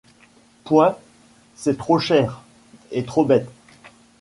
Point! c’est trop cher et trop bête.